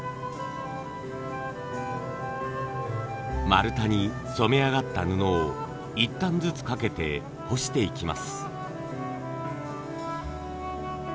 丸太に染め上がった布を一反ずつ掛けて干していきます。